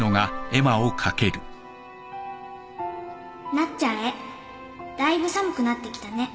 「なっちゃんへだいぶ寒くなってきたね」